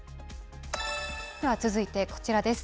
では続いて、こちらです。